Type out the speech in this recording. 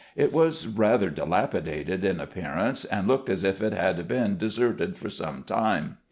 It was rather dilapi dated in appearance, and looked as if it had been de serted for some time.